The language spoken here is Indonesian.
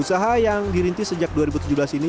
usaha yang dirintis sejak dua ribu tujuh belas ini